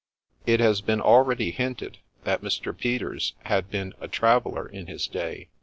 It has been already hinted that Mr. Peters had been a ' traveller ' in his day.